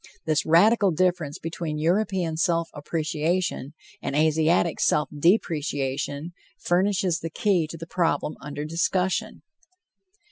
This radical difference between European self appreciation and Asiatic self depreciation furnishes the key to the problem under discussion.